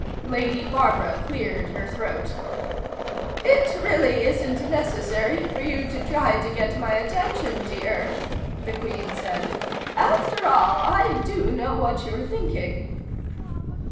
Lady Barbara cleared her throat. "It really isn't necessary for you to try to get my attention, dear," the Queen said. "After all, I do know what you're thinking."